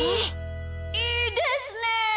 いいですね！